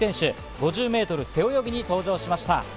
５０ｍ背泳ぎに登場しました。